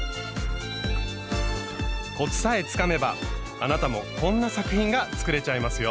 コツさえつかめばあなたもこんな作品が作れちゃいますよ。